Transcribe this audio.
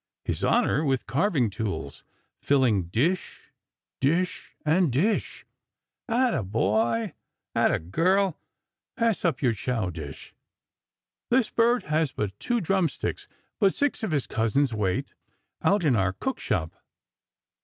His Honor, with carving tools filling dish, dish, and dish. "Atta boy! Atta girl! Pass up your chow dish! This bird has but two drum sticks, but six of his cousins wait, out in our cook shop!